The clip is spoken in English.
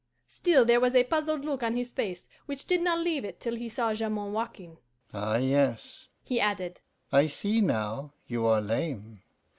Still there was a puzzled look on his face, which did not leave it till he saw Jamond walking. 'Ah yes,' he added, 'I see now. You are lame.